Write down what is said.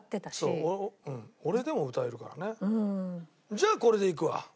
じゃあこれでいくわ。